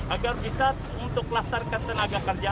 agar bisa untuk melaksanakan tenaga kerjaan